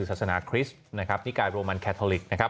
ศาสนาคริสต์นะครับนิกายโรมันแคทอลิกนะครับ